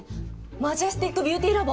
マジェスティックビューティーラボ。